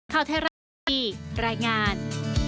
ข้าวเทศราชีรายงาน